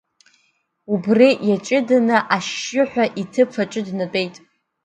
Убри иаҷыданы, ашьшьыҳәа иҭыԥ аҿы днатәеит.